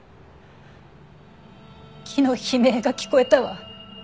木の悲鳴が聞こえたわ。